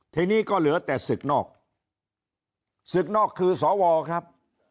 ทีนี้ก็เหลือแต่ศึกนอกศึกนอกคือสวครับ